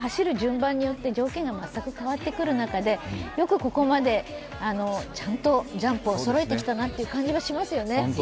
やっぱり風の状況とか走る順番によって条件が全く変わってくる中でよくここまでちゃんとジャンプをそろえてきたなという感じもしますよね。